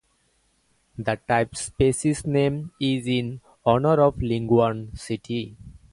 The type species name is in honor of Lingyuan City.